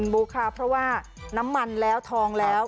บุ๊คค่ะเพราะว่าน้ำมันแล้วทองแล้ว